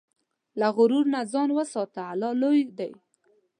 له غرور نه ځان وساته، الله لوی دی.